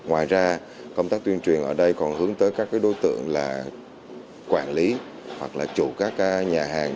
ngoài ra công tác tuyên truyền ở đây còn hướng tới các đối tượng là quản lý hoặc là chủ các nhà hàng